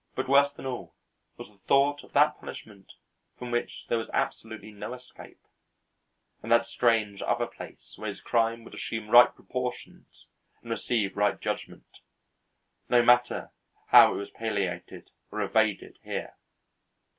But worse than all was the thought of that punishment from which there was absolutely no escape, and of that strange other place where his crime would assume right proportions and receive right judgment, no matter how it was palliated or evaded here.